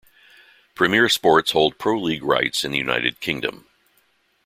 Premier Sports hold Pro League rights in the United Kingdom.